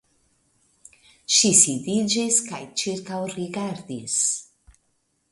Ŝi sidiĝis kaj ĉirkaŭrigardis.